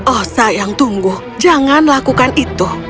oh sayang tunggu jangan lakukan itu